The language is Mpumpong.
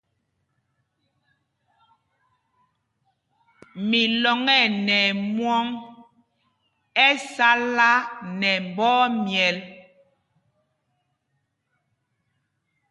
Milɔŋ ɛ nɛ ɛmwɔŋ, ɛ sala nɛ mbɔ ɛmyɛl.